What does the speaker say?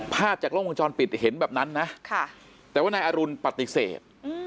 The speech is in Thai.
ภาพจากกล้องวงจรปิดเห็นแบบนั้นนะแต่ว่านายอรุณปฏิเสธ